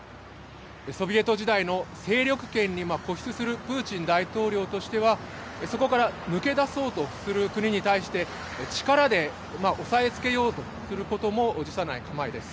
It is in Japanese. ソビエト時代の勢力圏に固執するプーチン大統領としてはそこから抜け出そうとする国に対して力で押さえつけようとすることも辞さない構えです。